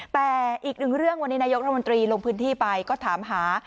แต่อีกหนึ่งเรื่องวันนี้นายกรัฐมนตรีลงพื้นที่ไปก็ถามหา